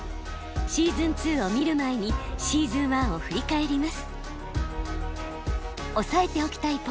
シーズン２を見る前にシーズン１を振り返ります。